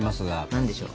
何でしょう？